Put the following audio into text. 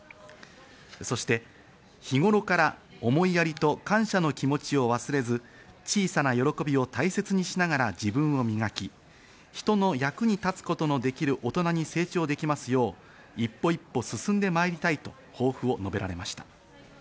そして、日頃から思いやりと感謝の気持ちを忘れず、小さな喜びを大切にしながら自分を磨き、人の役に立つことのできる大人に成長できますよう一歩一歩、進んでまいりたいと抱負を述べられました。